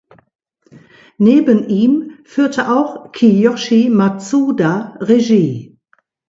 Neben ihm führte auch Kiyoshi Matsuda Regie.